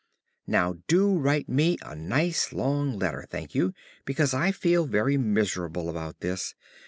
Now do write me a nice long letter, Thankyou, because I feel very miserable about this.